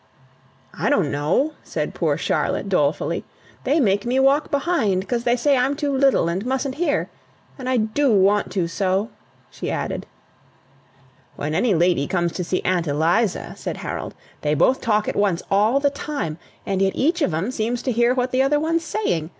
"I don't know," said poor Charlotte, dolefully. "They make me walk behind, 'cos they say I'm too little, and mustn't hear. And I DO want to so," she added. "When any lady comes to see Aunt Eliza," said Harold, "they both talk at once all the time. And yet each of 'em seems to hear what the other one's saying.